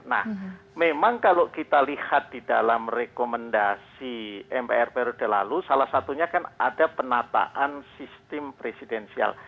nah memang kalau kita lihat di dalam rekomendasi mpr periode lalu salah satunya kan ada penataan sistem presidensial